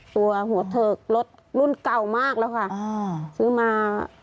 ตัวหัวเถิกรถรุ่นเก่ามากแล้วค่ะซื้อมา